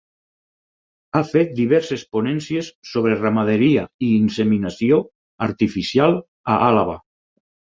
Ha fet diverses ponències sobre ramaderia i inseminació artificial a Àlaba.